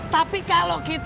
tapi kalau sakit itu